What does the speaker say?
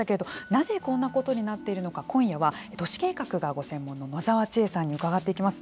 なぜこんなことになっているのか今夜は都市計画がご専門の野澤千絵さんに伺っていきます。